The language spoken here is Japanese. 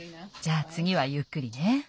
じゃつぎはゆっくりね。